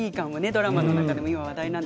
ドラマの中でも今話題。